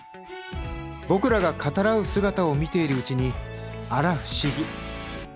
僕らが語らう姿を見ているうちにあら不思議。